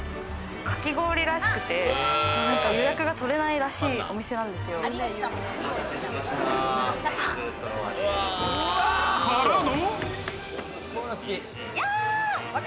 かき氷らしくて、予約が取れないらしいお店なんですよ。からの。